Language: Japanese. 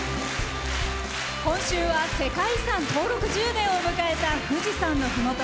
今週は世界遺産登録１０年を迎えた富士山のふもと